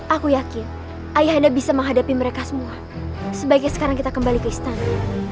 aku yakin ayah anda bisa menghadapi mereka semua sebaiknya sekarang kita kembali ke istana